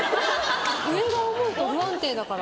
上が重いと不安定だから。